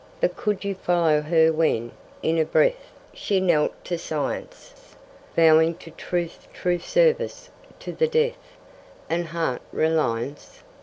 But could you follow her when, in a breath, She knelt to science, Vowing to truth true service to the death, And heart reliance?